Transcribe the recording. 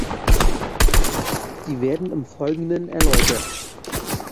Sie werden im Folgenden erläutert.